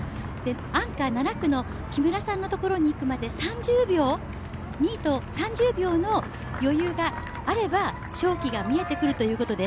アンカー、７区の木村さんのところにいくまで３０秒の余裕があれば勝機が見えてくるということです。